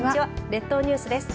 列島ニュースです。